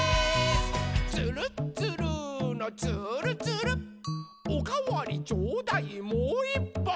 「つるっつるーのつーるつる」「おかわりちょうだいもういっぱい！」